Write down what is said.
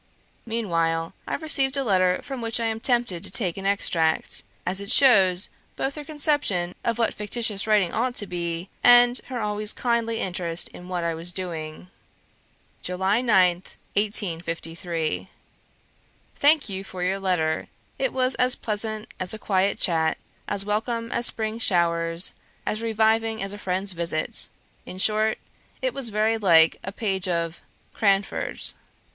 Meanwhile, I received a letter from which I am tempted to take an extract, as it shows both her conception of what fictitious writing ought to be, and her always kindly interest in what I was doing. "July 9th, 1853. "Thank you for your letter; it was as pleasant as a quiet chat, as welcome as spring showers, as reviving as a friend's visit; in short, it was very like a page of 'Cranford.'